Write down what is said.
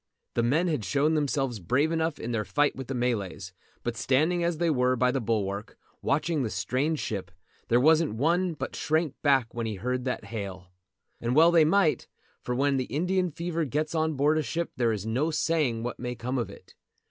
The men had shown themselves brave enough in their fight with the Malays, but standing as they were by the bulwark, watching the strange ship, there wasn't one but shrank back when he heard that hail. And well they might, for when the Indian fever gets on board a ship there is no saying what may come of it.